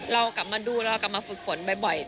เรากลับมาดูเรากลับมาฝึกฝนบ่อย